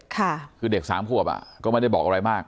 คือเด็กสามขวบอ่ะก็ไม่ได้บอกอะไรมาก